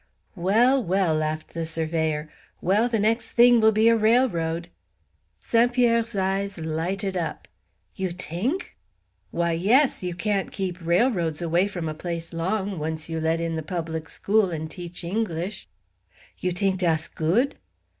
"Well, well!" laughed the surveyor. "Well, the next thing will be a railroad." St. Pierre's eyes lighted up. "You t'ink!" "Why, yes; you can't keep railroads away from a place long, once you let in the public school and teach English." "You t'ink dass good?"